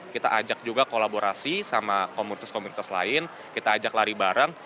kita ajak juga kolaborasi sama komunitas komunitas lain kita ajak lari bareng